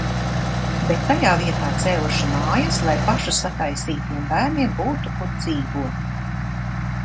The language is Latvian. Bet tajā vietā cēluši mājas, lai pašu sataisītiem bērniem būtu, kur dzīvot.